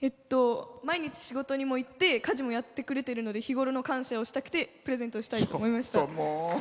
毎日仕事にも行って家事もやってくれてるので日ごろの感謝をしたくてプレゼントしました。